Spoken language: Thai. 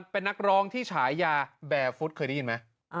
เป็นนักร้องที่ฉายาแบบฟุตเคยได้ยินไหม